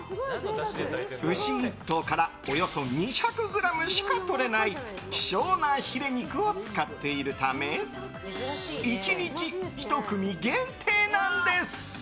牛１頭からおよそ２００ｇしかとれない希少なヒレ肉を使っているため１日１組限定なんです。